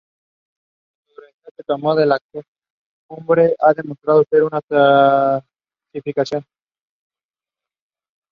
La fotografía que tomó de la cumbre ha demostrado ser una falsificación.